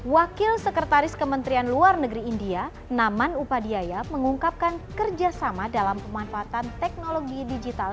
wakil sekretaris kementerian luar negeri india naman upadia mengungkapkan kerjasama dalam pemanfaatan teknologi digital